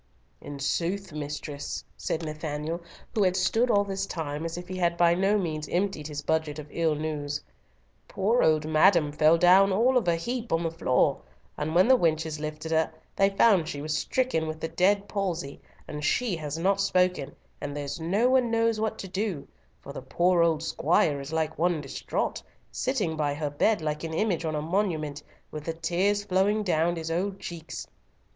"In sooth, mistress," said Nathanael, who had stood all this time as if he had by no means emptied his budget of ill news, "poor old madam fell down all of a heap on the floor, and when the wenches lifted her, they found she was stricken with the dead palsy, and she has not spoken, and there's no one knows what to do, for the poor old squire is like one distraught, sitting by her bed like an image on a monument, with the tears flowing down his old cheeks.